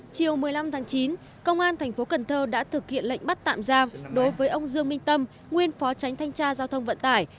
chiều một mươi năm tháng chín công an thành phố cần thơ đã thực hiện lệnh bắt tạm giam đối với ông dương minh tâm nguyên phó tránh thanh tra giao thông vận tải